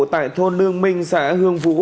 tại thôn lương minh xã hương vũ